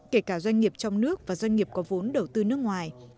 kể cả doanh nghiệp trong nước và doanh nghiệp có vốn đầu tư nước ngoài